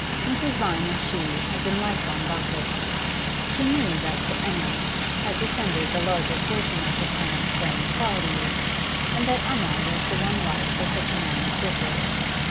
Mrs. Vine and she had been lifelong gossips; she knew that to Emma had descended the larger portion of her parent's sterling qualities, and that Emma was the one wife for such a man as Richard.